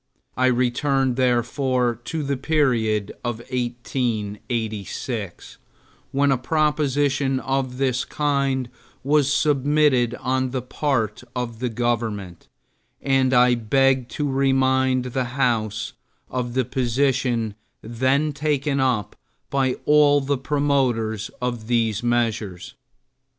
I return therefore to the period of 1886, when a proposition of this kind was submitted on the part of the government, and I beg to remind the House of the position then taken up by all the promoters of these measures.